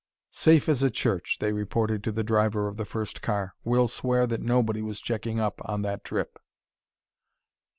"Safe as a church," they reported to the driver of the first car. "We'll swear that nobody was checking up on that trip."